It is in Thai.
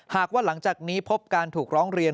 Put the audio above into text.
หากว่าหลังจากนี้พบการถูกร้องเรียน